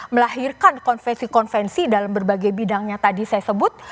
melahirkan konvensi konvensi dalam berbagai bidangnya tadi saya sebut